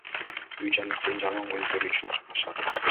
Үй жандыктарын жалаң өздөрү үчүн кармашат.